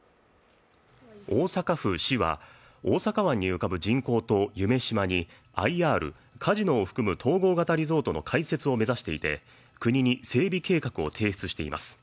大阪府市は大阪湾に浮かぶ人工島夢洲にＩＲ＝カジノを含む統合型リゾートの開設を目指していて、国に整備計画を提出しています。